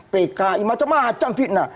pki macam macam fitnah